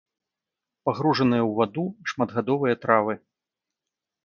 Пагружаныя ў ваду шматгадовыя травы.